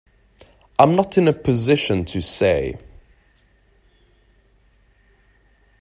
I'm not in a position to say.